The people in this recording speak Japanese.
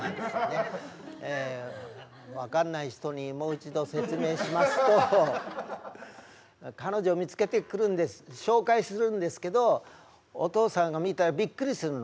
分かんない人にもう一度説明しますと彼女見つけてくるんです紹介するんですけどお父さんが見たらびっくりするの。